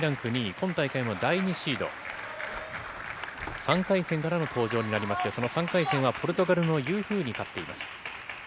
今大会の第２シード、３回戦からの登場になりまして、その３回戦は、ポルトガルのユー・フーに勝っています。